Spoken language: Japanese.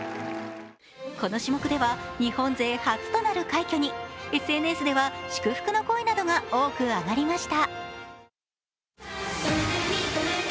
この種目では日本勢初となる快挙に、ＳＮＳでは祝福の声などが多く上がりました。